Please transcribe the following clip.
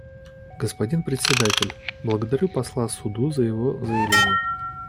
Господин Председатель: Благодарю посла Суду за его заявление.